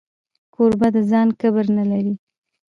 کوربه د ځان کبر نه لري.